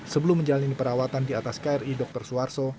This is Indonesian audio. sebelum menjalani perawatan di atas kri dr suharto